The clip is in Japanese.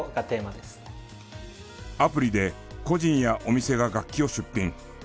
アプリで個人やお店が楽器を出品。